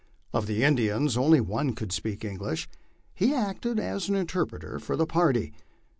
Of the Indians one only could speak English ; he acted as interpreter for the party.